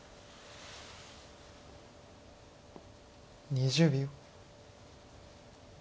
２０秒。